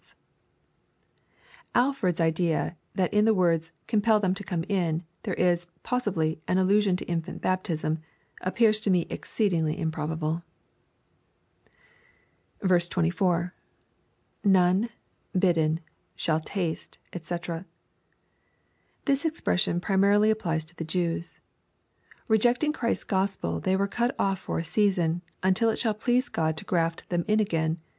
166 EXPOSITOiiY THOUGHTS. Alford'a idea that in the words "compel them to come in," there is possibly " an allusion to infant baptism," appears to me ex ceedingly improbable. 24. — [None.,.hidden.,.8haU taste^ <fcc.] This expression primarily ap plies to the Jews. Rejecting Christ's G ospel they were cut oflF for a season, until it shall please God to graff them in again.